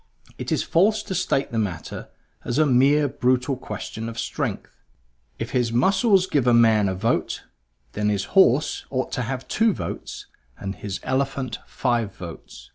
It is false to state the matter as a mere brutal question of strength. If his muscles give a man a vote, then his horse ought to have two votes and his elephant five votes.